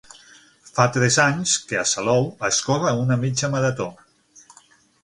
Fa tres anys que a Salou es corre una mitja marató.